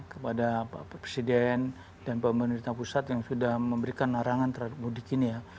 kepada pak presiden dan pemerintah pusat yang sudah memberikan larangan terhadap mudik ini ya